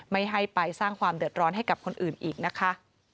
ไม่ให้ไปสร้างความเดือดร้อนให้กับคนอื่นอีกนะคะ